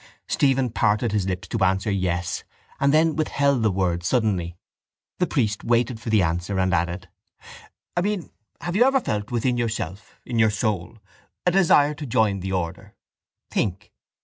Stephen parted his lips to answer yes and then withheld the word suddenly. The priest waited for the answer and added: —I mean, have you ever felt within yourself, in your soul, a desire to join the order? Think.